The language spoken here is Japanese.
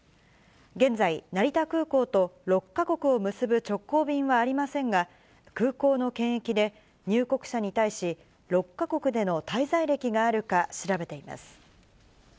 現在、成田空港と６か国を結ぶ直行便はありませんが、空港の検疫で、入国者に対し、６か国での滞在歴があるか調べています。